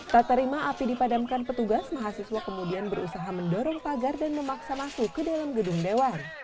tak terima api dipadamkan petugas mahasiswa kemudian berusaha mendorong pagar dan memaksa masuk ke dalam gedung dewan